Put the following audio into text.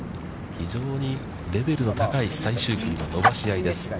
非常にレベルの高い最終組の伸ばし合いです。